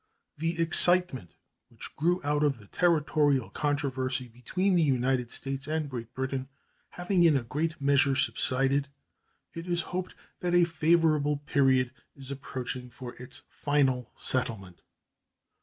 The excitement which grew out of the territorial controversy between the United States and Great Britain having in a great measure subsided, it is hoped that a favorable period is approaching for its final settlement.